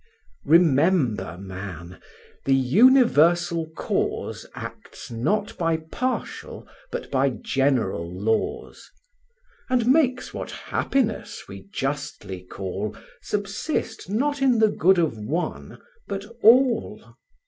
Remember, man, "the Universal Cause Acts not by partial, but by general laws;" And makes what happiness we justly call Subsist not in the good of one, but all.